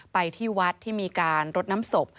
ไปที่วัดที่มีการรดน้ำศพ